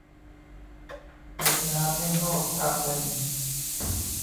เล็กน้ำ ไม่งอก ชามนึง